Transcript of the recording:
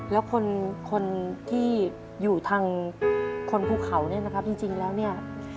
แล้วคนคนที่อยู่ทางคนภูเขาเนี่ยนะครับจริงแล้วเนี่ย